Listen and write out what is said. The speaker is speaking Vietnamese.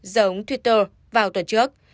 giống twitter vào tuần trước